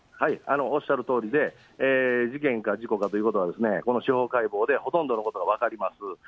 おっしゃるとおりで、事件か事故かということは、この司法解剖で、ほとんどのことが分かります。